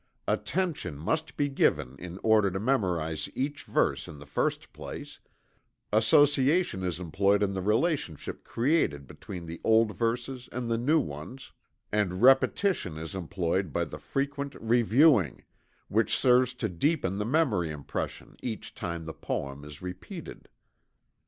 Attention must be given in order to memorize each verse in the first place; association is employed in the relationship created between the old verses and the new ones; and repetition is employed by the frequent reviewing, which serves to deepen the memory impression each time the poem is repeated.